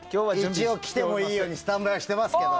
一応来てもいいようにスタンバイはしてますけど。